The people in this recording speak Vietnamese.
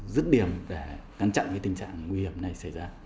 dứt điểm để ngăn chặn cái tình trạng nguy hiểm này xảy ra